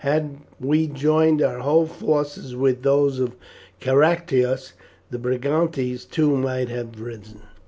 Had we joined our whole forces with those of Caractacus the Brigantes too might have risen.